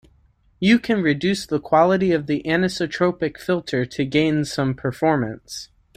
You can reduce the quality of the anisotropic filter to gain some performance.